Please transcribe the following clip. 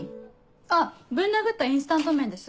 あっぶん殴ったインスタント麺です。